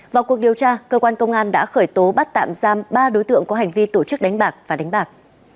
vào cuộc điều tra cơ quan công an đã khởi tố bắt tạm giam ba đối tượng có hành vi tổ chức đánh bạc và đánh bạc